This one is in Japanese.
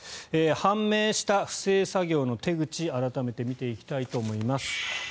判明した不正作業の手口改めて見ていきたいと思います。